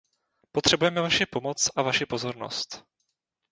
Potřebujeme vaši pomoc a vaši pozornost.